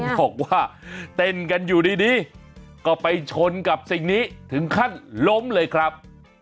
บอกว่าเต้นกันอยู่ดีก็ไปชนกับสิ่งนี้ถึงขั้นล้มเลยครับ